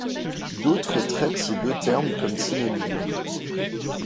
D'autres traitent ces deux termes comme synonymes.